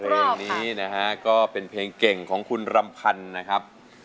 เพลงนี้นะฮะก็เป็นเพลงเก่งของคุณรำพันธ์นะครับ